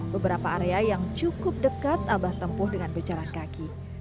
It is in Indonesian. beberapa area yang cukup dekat abah tempuh dengan berjalan kaki